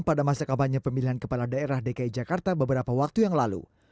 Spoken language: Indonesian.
pada masa kampanye pemilihan kepala daerah dki jakarta beberapa waktu yang lalu